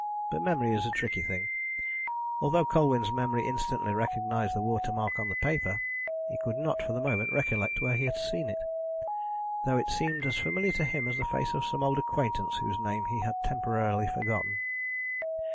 But memory is a tricky thing. Although Colwyn's memory instantly recognised the watermark on the paper, he could not, for the moment, recollect where he had seen it, though it seemed as familiar to him as the face of some old acquaintance whose name he had temporarily forgotten.